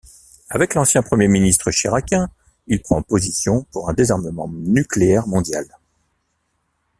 Avec l'ancien Premier ministre chiraquien, il prend position pour un désarmement nucléaire mondial.